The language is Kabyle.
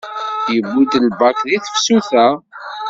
Yewwi-d lbak deg tefsut-a.